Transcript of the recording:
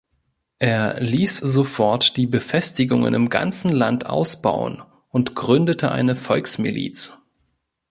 Er ließ sofort die Befestigungen im ganzen Land ausbauen und gründete eine Volksmiliz.